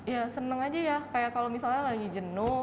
ya seneng aja ya kayak kalau misalnya lagi jenuh